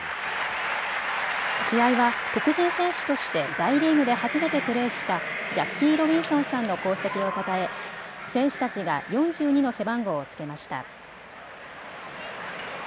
試合は黒人選手として大リーグで初めてプレーしたジャッキー・ロビンソンさんの功績をたたえ、選手たちが４２の背番号をつけました。